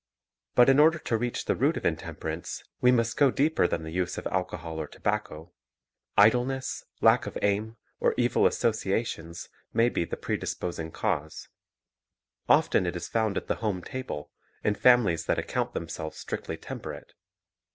But in order to reach the root of intemperance we must go deeper than the use of alcohol or tobacco. Idleness, lack of aim, or evil associations, may be the (202) Temperance o)id Dietetics 203 predisposing cause. Often it is found at the home table, in families that account themselves strictly temperate.